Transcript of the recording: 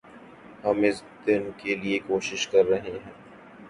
ہم اس دن کے لئے کوشش کررہے ہیں